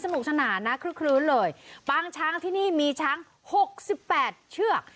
สนุกสนานนะคลึกคลื้นเลยปางช้างที่นี่มีช้างหกสิบแปดเชือก